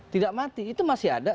tidak mati itu masih ada